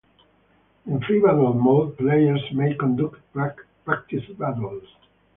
In Free Battle mode, players may conduct practice battles.